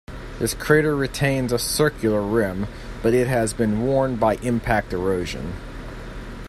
This crater retains a circular rim, but it has been worn by impact erosion.